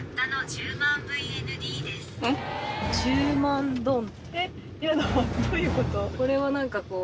１０万ドン。